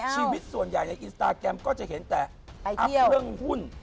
ชีวิตส่วนใหญ่ในอินสตาแกรมก็จะเห็นแต่อัพเรื่องหุ้น